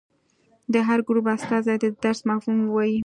د هر ګروپ استازي دې د درس مفهوم ووايي.